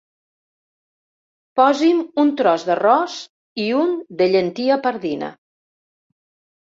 Posi'm un tros d'arròs i un de llentia pardina.